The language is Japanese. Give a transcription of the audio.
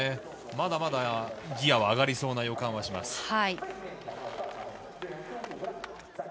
まだまだギヤは上がりそうな予感はします。